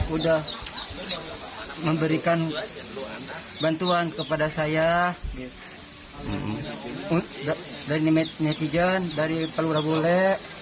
udah memberikan bantuan kepada saya dari netizen dari palura bule